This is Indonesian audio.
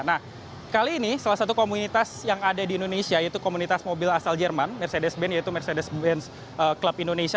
nah kali ini salah satu komunitas yang ada di indonesia yaitu komunitas mobil asal jerman mercedes ben yaitu mercedes benz club indonesia